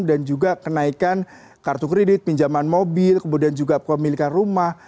dan juga kenaikan kartu kredit pinjaman mobil kemudian juga pemilikan rumah